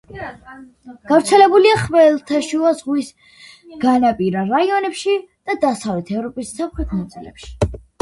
გავრცელებულია ხმელთაშუა ზღვის განაპირა რაიონებში და დასავლეთ ევროპის სამხრეთ ნაწილებში.